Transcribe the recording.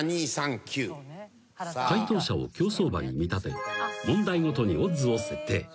［解答者を競走馬に見立て問題ごとにオッズを設定］